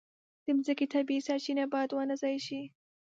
د مځکې طبیعي سرچینې باید ونه ضایع شي.